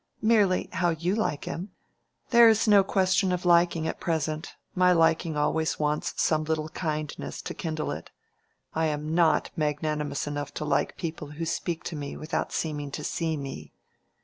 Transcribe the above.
"Merely, how you like him." "There is no question of liking at present. My liking always wants some little kindness to kindle it. I am not magnanimous enough to like people who speak to me without seeming to see me."